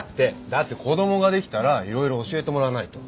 だって子供ができたら色々教えてもらわないと。